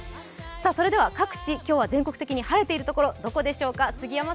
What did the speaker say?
それでは、各地今日は全国的に晴れている所はどこでしょうか。